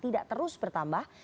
tidak terus bertambah